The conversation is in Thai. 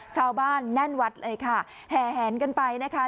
ชาวบ้านแน่นวัดเลยค่ะแห่แหนกันไปนะคะ